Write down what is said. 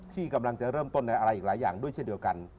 ที่กำลังจะเริ่มต้นในอะไรอีกหลายอย่างด้วยเช่นเดียวกัน